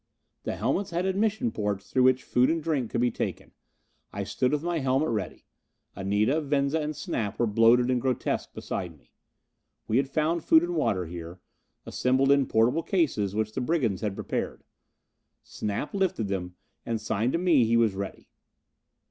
The helmets had admission ports through which food and drink could be taken. I stood with my helmet ready. Anita, Venza and Snap were bloated and grotesque beside me. We had found food and water here, assembled in portable cases which the brigands had prepared. Snap lifted them, and signed to me he was ready.